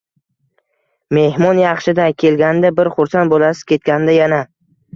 Mehmon yaxshi-da! Kelganida bir xursand bo’lasiz, ketganida – yana.